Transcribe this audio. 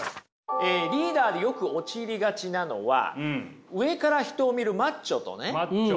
リーダーでよく陥りがちなのは上から人を見るマッチョとね